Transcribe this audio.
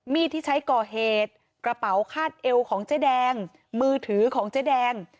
ที่ใช้ก่อเหตุกระเป๋าคาดเอวของเจ๊แดงมือถือของเจ๊แดง